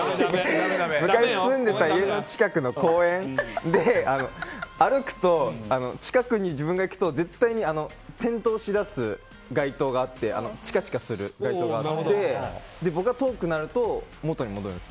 昔住んでた家の近くの公園で歩くと近くに自分が行くと絶対に点滅しだす街灯があってチカチカする街灯があって僕が遠くなると元に戻るんです。